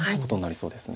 そうですね。